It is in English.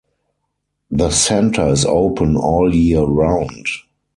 The centre is open all year round.